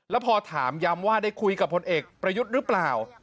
แล้วพอถามย้ำว่าได้คุยกับพลเอกประยุทธ์หรือเปล่า